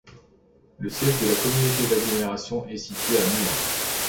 Le siège de la communauté d'agglomération est situé à Moulins.